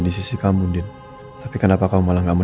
kiki kalau emang masih mau jalan jalan